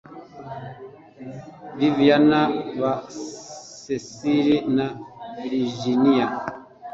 viviyana, ba sesire na virijiniya.